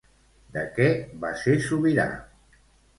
De què va ser sobirà?